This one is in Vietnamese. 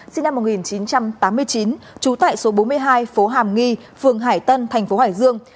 sinh năm một nghìn chín trăm tám mươi chín trú tại số bốn mươi hai phố hàm nghi phường hải tân thành phố hải dương